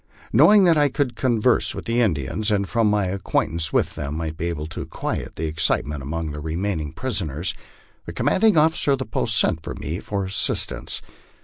Knowing that I could converse with the Indians, and from my acquaint ance with them might be able to quiet the excitement among the remaining prisoners, the commanding officer of the post sent to me for assistance.